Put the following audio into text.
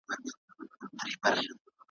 ویرجینیا که په پسرلي کي `